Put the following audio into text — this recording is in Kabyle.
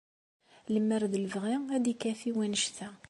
Lemmer d lebɣi, ad d-ikafi wanect-a.